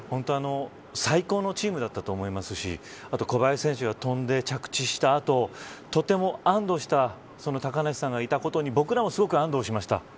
最高のチームだったと思いますし小林選手が跳んで着地した後とても安堵した高梨さんがいたことに僕らもすごく安堵しました。